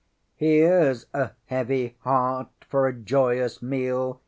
ŌĆśŌĆ£HereŌĆÖs a heavy heart for a joyous meal!